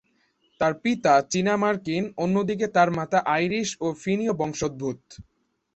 তার পিতা চীনা-মার্কিন, অন্যদিকে তার মাতা আইরিশ ও ফিনীয় বংশোদ্ভূত।